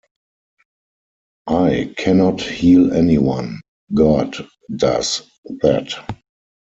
I cannot heal anyone - God does that.